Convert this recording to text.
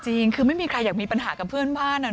จริงคือไม่มีใครอยากมีปัญหากับเพื่อนบ้าน